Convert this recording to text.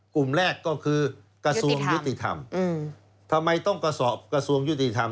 กลุ่มแรกก็คือกระทรวงยุติธรรมทำไมต้องกระสอบกระทรวงยุติธรรม